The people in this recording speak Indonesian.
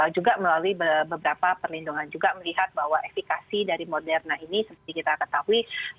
juga melalui beberapa perlindungan juga melihat bahwa efekasi dari moderna ini seperti kita ketahui